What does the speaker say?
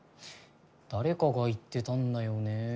誰かが言ってたんだよね。